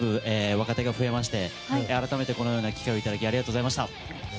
若手が増えまして改めてこのような機会をいただきありがとうございました。